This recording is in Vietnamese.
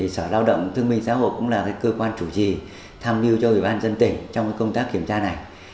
sở lao động thương minh xã hội cũng là cơ quan chủ trì tham mưu cho ủy ban dân tỉnh trong công tác kiểm tra này